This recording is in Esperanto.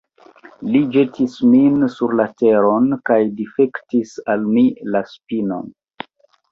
Li ĵetis min sur la teron kaj difektis al mi la spinon.